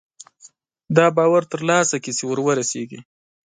دا باور ترلاسه کړي چې وررسېږي.